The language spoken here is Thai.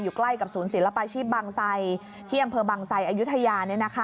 อยู่ใกล้กับศูนย์ศิลปาชีพบางไซย์เฮียมเผอร์บางไซย์อายุทยา